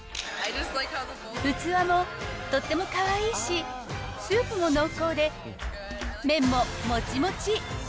器もとってもかわいいし、スープも濃厚で、麺ももちもち。